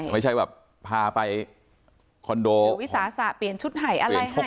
ไม่ใช่แบบพาไปคอนโดวิสาสะเปลี่ยนชุดให้อะไรให้